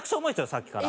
さっきから。